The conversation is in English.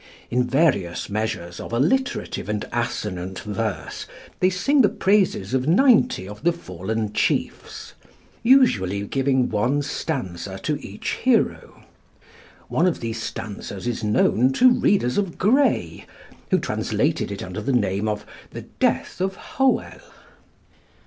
In various measures of alliterative and assonant verse they sing the praises of ninety of the fallen chiefs, usually giving one stanza to each hero. One of these stanzas is known to readers of Gray, who translated it under the name of 'The Death of Hoel.'